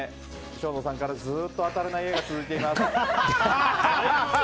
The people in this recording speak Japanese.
生野さんからずっと当たらない画が続いています。